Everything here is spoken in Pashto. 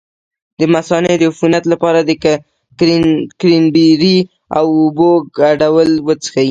د مثانې د عفونت لپاره د کرینبیري او اوبو ګډول وڅښئ